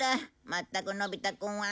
まったくのび太くんは。